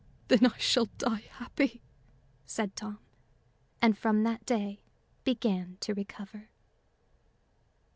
"Then I shall die happy," said Tom; and from that day began to recover.